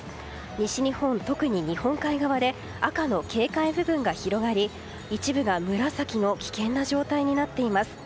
西日本、特に日本海側で赤の警戒部分が広がり一部が紫の危険な状態になっています。